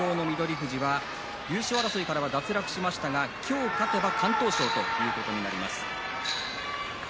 富士は優勝争いから脱落しましたが今日、勝てば敢闘賞ということになりました。